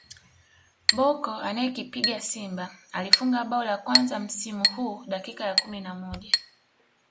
Bocco anayekipiga Simba alifunga bao la kwanza msimu huu dakika ya kumi na moja